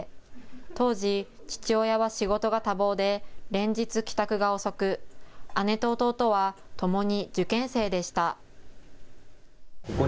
当時、父親は仕事が多忙で連日、帰宅が遅く姉と弟はともに受験生でした。